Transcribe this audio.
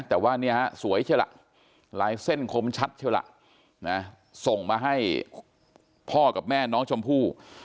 แต่ว่าเนี่ยฮะสวยใช่ล่ะลายเส้นคมชัดใช่ล่ะส่งมาให้พ่อกับแม่น้องชมพู่